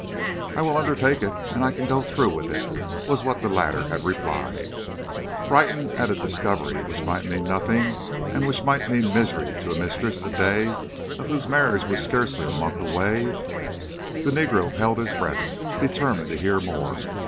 "'I will undertake it, and I can go through with it,' was what the latter had replied. "Frightened at a discovery which might mean nothing and which might mean misery to a mistress the day of whose marriage was scarcely a month away, the negro held his breath, determined to hear more.